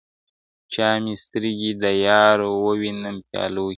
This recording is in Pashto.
• چي مي سترګي د یار و وینم پیالو کي ..